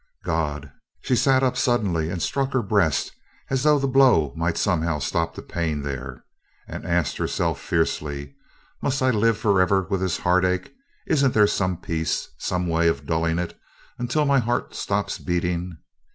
"God!" She sat up suddenly and struck her breast as though the blow might somehow stop the pain there, and asked herself fiercely: "Must I live forever with this heartache? Isn't there some peace? Some way of dulling it until my heart stops beating?"